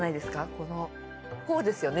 このこうですよね